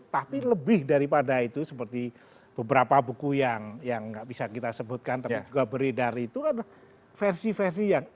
tapi lebih daripada itu seperti beberapa buku yang nggak bisa kita sebutkan tapi juga beredar itu kan versi versi yang